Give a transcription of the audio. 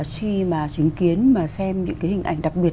khi mà chứng kiến và xem những hình ảnh đặc biệt